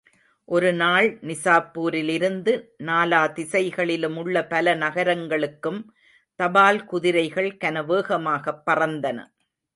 ஒருநாள் நிசாப்பூரிலிருந்து நாலாதிசைகளிலும் உள்ள பல நகரங்களுக்கும் தபால் குதிரைகள் கனவேகமாகப் பறந்தன.